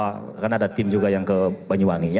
wah kan ada tim juga yang ke banyuwangi ya